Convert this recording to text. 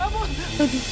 amun nek amun amun amun